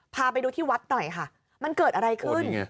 พาไปดูที่วัดหน่อยค่ะมันเกิดอะไรขึ้น